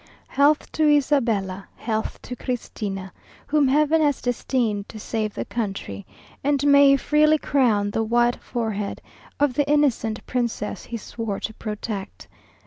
Health to Isabella, Health to Christina, Whom Heaven has destined To save the country; And may he freely crown The white forehead Of the innocent princess He swore to protect.